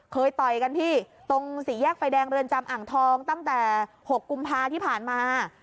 ต่อยกันที่ตรงสี่แยกไฟแดงเรือนจำอ่างทองตั้งแต่๖กุมภาที่ผ่านมา